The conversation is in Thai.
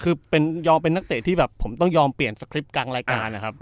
คือยอมเป็นนักเตะที่แบบผมต้องยอมเปลี่ยนสคริปต์กลางรายการนะครับ